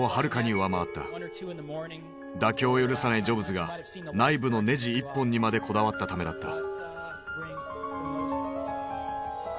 妥協を許さないジョブズが内部のねじ１本にまでこだわったためだった。